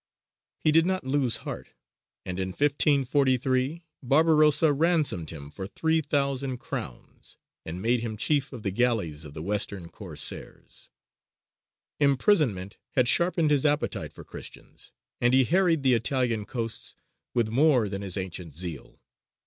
He did not lose heart, and in 1543 Barbarossa ransomed him for 3000 crowns, and made him chief of the galleys of the western Corsairs. Imprisonment had sharpened his appetite for Christians, and he harried the Italian coasts with more than his ancient zeal.